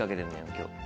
今日。